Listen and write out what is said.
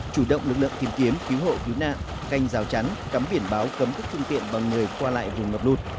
chủ động lực lượng tìm kiếm cứu hộ cứu nạn canh rào chắn cắm biển báo cấm các phương tiện bằng người qua lại vùng ngập lụt